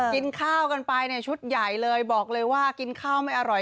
กินข้าวกันไปเนี่ยชุดใหญ่เลยบอกเลยว่ากินข้าวไม่อร่อย